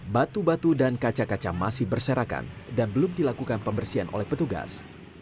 batu batu dan kaca kaca masih berserakan dan belum dilakukan pembersihan oleh petugas